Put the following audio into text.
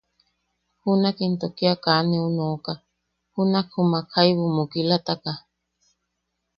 Junak into kia kaa neu nooka, junak jumak jaibu mukilataka.